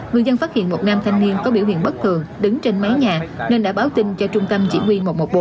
người dân phát hiện một nam thanh niên có biểu hiện bất thường đứng trên mái nhà nên đã báo tin cho trung tâm chỉ huy một trăm một mươi bốn